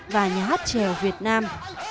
và nhà hát trèo việt nam